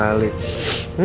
kalau ada temen